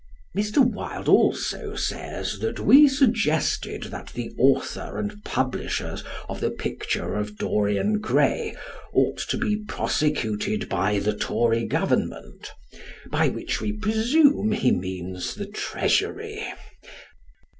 Mr. Wilde also says that we suggested that the author and publishers of "The Picture of Dorian Gray" ought to be prosecuted by the Tory Government, by which we presume he means the Treasury.